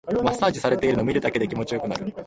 マッサージされてるのを見るだけで気持ちよくなる